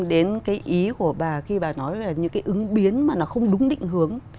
đến cái ý của bà khi bà nói về những cái ứng biến mà nó không đúng định hướng